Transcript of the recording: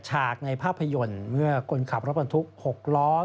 ฉากในภาพยนตร์เมื่อกลุ่นขับรถสนทุกข์หกร้อน